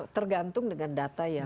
tergantung dengan data yang